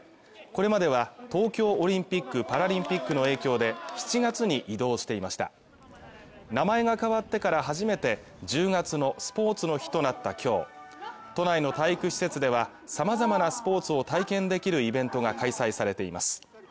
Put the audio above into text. これまでは東京オリンピックパラリンピックの影響で７月に移動していました名前が変わってから初めて１０月のスポーツの日となったきょう都内の体育施設ではさまざまなスポーツを体験できるイベントが開催されています